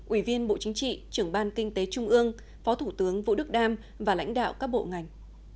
ủy viên bộ chính trị trưởng ban kinh tế trung ương phó thủ tướng vũ đức đam và lãnh đạo các bộ ngành